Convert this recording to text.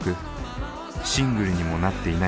シングルにもなっていない